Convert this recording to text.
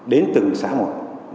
đến từng xã một